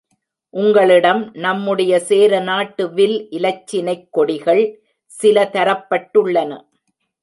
உங்களிடம் நம்முடைய சேரநாட்டு வில் இலச்சினைக் கொடிகள் சில தரப்பட்டுள்ளன.